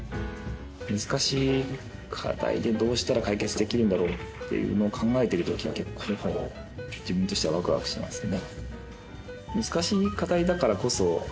難しい課題でどうしたら解決できるんだろうっていうのを考えているときは結構自分としてはワクワクしますね。